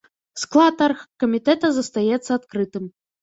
Склад аргкамітэта застаецца адкрытым.